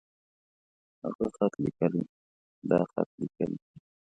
هغۀ خط ليکي. دا خط ليکي.